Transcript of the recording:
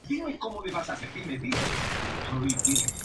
El funeral oficial tuvo lugar en la catedral de Milán.